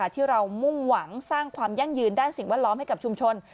ที่เรามุ่งหวังสร้างความยั่งยืนด้านสิ่งแวดล้อมให้กับชุมชน